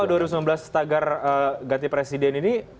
tapi kalau dua ribu sembilan belas setagar ganti presiden ini